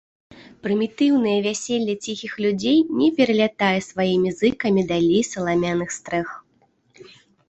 Прымітыўнае вяселле ціхіх людзей не пералятае сваімі зыкамі далей саламяных стрэх.